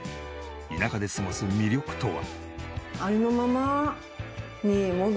田舎で過ごす魅力とは？